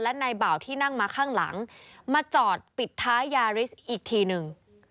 และนายบ่าวที่นั่งมาข้างหลังมาจอดปิดท้ายยาริสอีกทีนึง